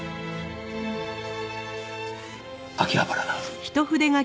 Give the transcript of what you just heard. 秋葉原だ。